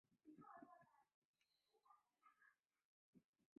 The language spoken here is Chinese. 仪仗连改编为中国人民解放军公安警卫师警卫营二连。